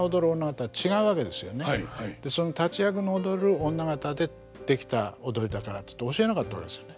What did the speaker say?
その立役の踊る女方で出来た踊りだからって教えなかったわけですよね。